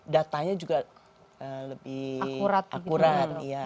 datanya juga lebih akurat